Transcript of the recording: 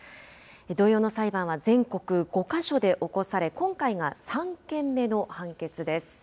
同様の裁判は全国５か所で起こされ、今回が３件目の判決です。